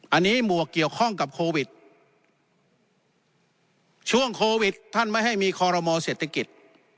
อันนี้หมวกเกี่ยวข้องกับโควิดช่วงโควิดท่านไม่ให้มีคอรมอเศรษฐกิจ